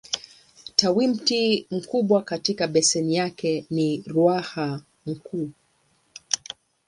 Tawimto mkubwa katika beseni yake ni Ruaha Mkuu.